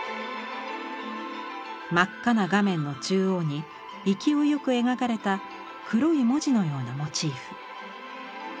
真っ赤な画面の中央に勢いよく描かれた黒い文字のようなモチーフ。